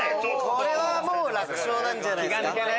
これは楽勝なんじゃないですか。